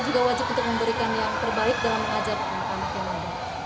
juga wajib untuk memberikan yang terbaik dalam mengajar anak anak